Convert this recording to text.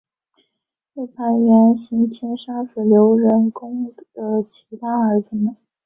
又派元行钦杀死刘仁恭的其他儿子们。